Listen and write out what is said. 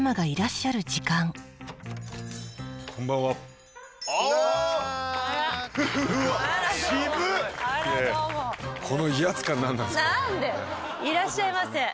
いらっしゃいませ。